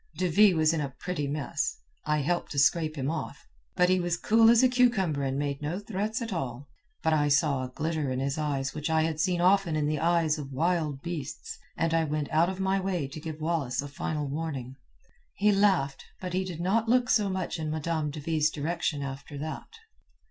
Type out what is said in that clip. "De Ville was in a pretty mess—I helped to scrape him off; but he was cool as a cucumber and made no threats at all. But I saw a glitter in his eyes which I had seen often in the eyes of wild beasts, and I went out of my way to give Wallace a final warning. He laughed, but he did not look so much in Madame de Ville's direction after that.